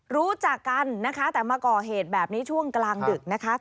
รู้จักกันนะคะแต่มาก่อเหตุแบบนี้ช่วงกลางดึกนะคะ